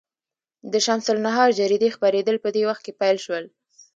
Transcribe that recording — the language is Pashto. د شمس النهار جریدې خپرېدل په دې وخت کې پیل شول.